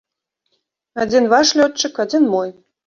Адзін ваш лётчык, адзін мой.